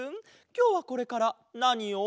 きょうはこれからなにを？